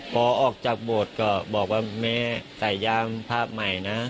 พอออกจากโบสถ์ก็บอกว่าแม่ใส่ยามภาพใหม่นะ